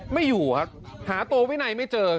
ไม่อยู่ฮะหาโตวินัยไม่เจอ